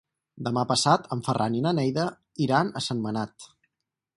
Demà passat en Ferran i na Neida iran a Sentmenat.